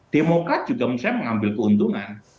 demokrat juga menurut saya mengambil keuntungan